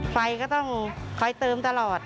ไฟก็ต้องคอยเติมตลอด